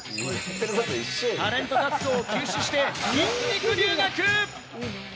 タレント活動を休止して筋肉留学。